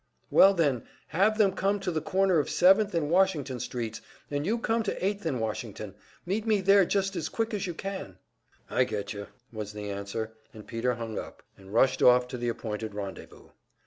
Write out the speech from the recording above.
"Well then, have them come to the corner of Seventh and Washington Streets, and you come to Eighth and Washington. Meet me there just as quick as you can." "I get you," was the answer, and Peter hung up, and rushed off to the appointed rendezvous.